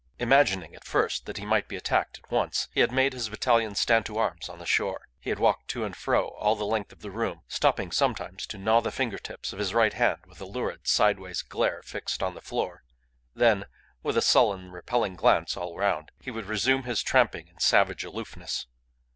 Imagining at first that he might be attacked at once, he had made his battalion stand to arms on the shore. He walked to and fro all the length of the room, stopping sometimes to gnaw the finger tips of his right hand with a lurid sideways glare fixed on the floor; then, with a sullen, repelling glance all round, he would resume his tramping in savage aloofness.